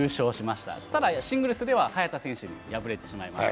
ただ、シングルスでは早田選手に敗れてしまいました。